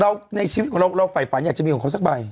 ในชีวิตของเราเราฝ่ายฝันอยากจะมีของเขาสักใบ